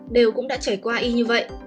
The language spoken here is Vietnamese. đều cũng đã trải qua y như vậy